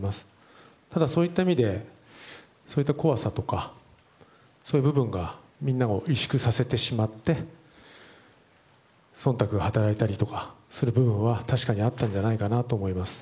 ただ、そういった意味でそういった怖さとかそういう部分がみんなを委縮させてしまって忖度が働いたりとかという部分は確かにあったんじゃないかなと思います。